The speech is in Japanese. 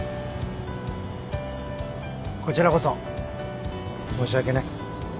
こちらこそ申し訳ない。